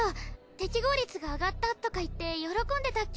適合率が上がったとか言って喜んでたっけ。